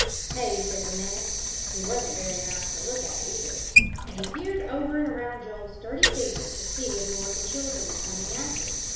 "Hey?" said the man. He wasn't very nice to look at either, and he peered over and around Joel's sturdy figure, to see if more of the children were coming after.